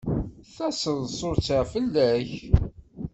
Taseḍsut-a fell-ak.